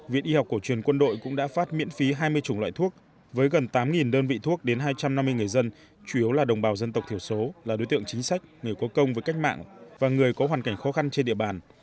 viện y học cổ truyền quân đội cũng đã phát miễn phí hai mươi chủng loại thuốc với gần tám đơn vị thuốc đến hai trăm năm mươi người dân chủ yếu là đồng bào dân tộc thiểu số là đối tượng chính sách người có công với cách mạng và người có hoàn cảnh khó khăn trên địa bàn